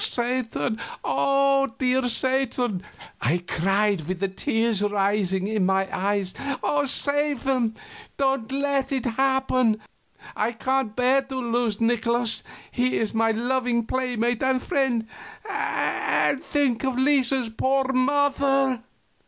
"Oh, Satan! oh, dear Satan!" I cried, with the tears rising in my eyes, "save them! Don't let it happen. I can't bear to lose Nikolaus, he is my loving playmate and friend; and think of Lisa's poor mother!"